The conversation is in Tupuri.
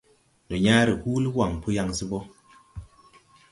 Ndo yãã re huuli waŋ po yaŋ se bo.